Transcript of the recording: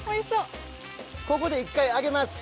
ここで１回上げます。